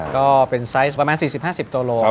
ก็เป็นไซส์ประมาณ๔๐๕๐ตัวโล